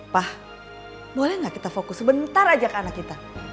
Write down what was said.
pa boleh gak kita fokus sebentar aja ke anak kita